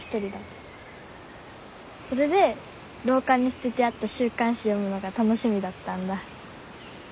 それで廊下に捨ててあった週刊誌読むのが楽しみだったんだ。